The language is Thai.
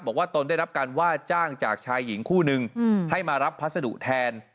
ตนได้รับการว่าจ้างจากชายหญิงคู่นึงให้มารับพัสดุแทน